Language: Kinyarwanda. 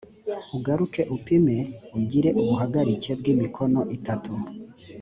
ugaruke upime ugire ubuhagarike bw’ imikono itatu